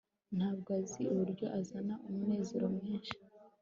ntabwo azi uburyo azana umunezero mwinshi